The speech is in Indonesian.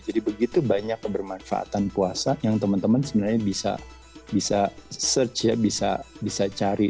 jadi begitu banyak kebermanfaatan puasa yang teman teman sebenarnya bisa search ya bisa cari